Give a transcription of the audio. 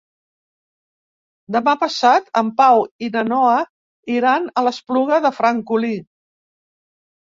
Demà passat en Pau i na Noa iran a l'Espluga de Francolí.